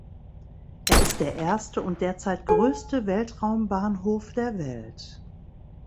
Er ist der erste und derzeit größte Weltraumbahnhof der Welt.